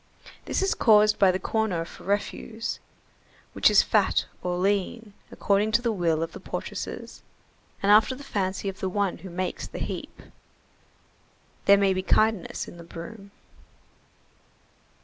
This is caused by the corner for refuse, which is fat or lean, according to the will of the portresses, and after the fancy of the one who makes the heap. There may be kindness in the broom.